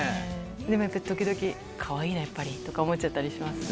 でもやっぱ、時々、かわいいな、やっぱりとか、思っちゃったりします？